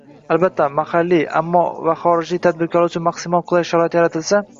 albatta, ammo mahalliy va xorijlik tadbirkorlar uchun maksimal qulay sharoit yaratilsa